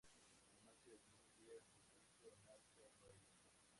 La noche del mismo día, se puso en marcha el movimiento.